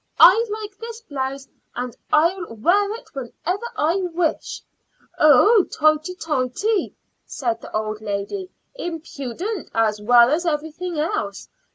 I like this blouse, and I'll wear it whenever I wish." "Oh, hoity toity!" said the old lady; "impudent as well as everything else.